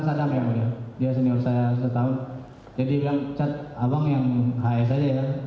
jadi dia bilang cat abang yang hs aja ya